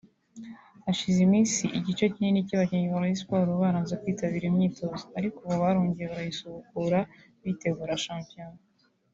Hashize iminsi igice kinini cy’abakinnyi ba Rayon Sport baranze kwitabira imyitozo ariko ubu barongeye barayisubukura bitegura shampiyona